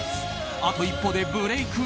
あと一歩でブレーク？